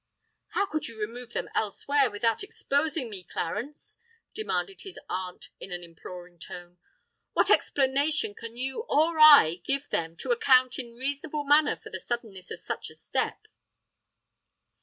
"How could you remove them elsewhere, without exposing me, Clarence?" demanded his aunt in an imploring tone. "What explanation can you or I give them, to account in a reasonable manner for the suddenness of such a step?"